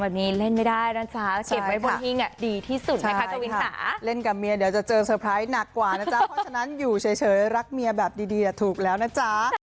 ไม่เล่นดีกว่าไม่เล่นกับเมียดีกว่า